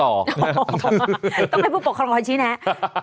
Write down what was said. โอ้ต้องให้ผู้ปกครองร้อยชี้แนะ